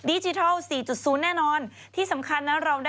พี่ชอบแซงไหลทางอะเนาะ